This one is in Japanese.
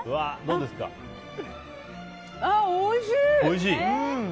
おいしい！